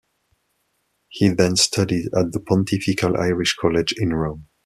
He then studied at the Pontifical Irish College in Rome.